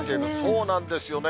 そうなんですよね。